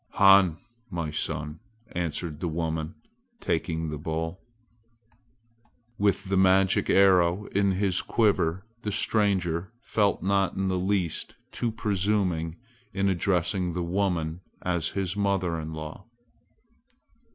"Han, my son!" answered the woman, taking the bowl. With the magic arrow in his quiver the stranger felt not in the least too presuming in addressing the woman as his mother in law.